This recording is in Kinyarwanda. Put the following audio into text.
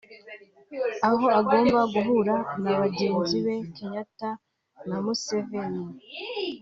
aho agomba guhura na bagenzi be Kenyata na Museveni